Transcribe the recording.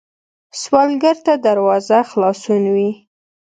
سوالګر ته دروازه خلاصون وي